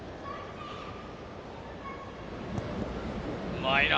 うまいな。